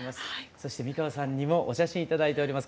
そして美川さんにもお写真頂いております